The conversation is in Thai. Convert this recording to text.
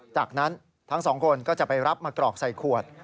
จากนั้นทั้งสองคนก็จะไปรับมากรอกใส่ขวด